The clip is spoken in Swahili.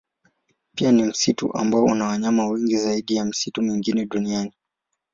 Pia ni msitu ambao una wanyama wengi zaidi ya misitu mingine duniani.